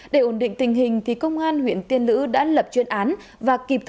để ổn định tình hình công an huyện tiên lữ đã lập chuyên án và kịp thời bắc giang